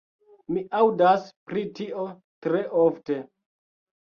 Mi aŭdas pri tio tre ofte.